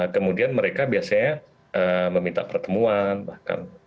kemudian mereka biasanya meminta pertemuan bahkan